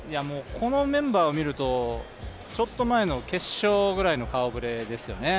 このメンバーを見ると、ちょっと前の決勝ぐらいの顔ぶれですよね。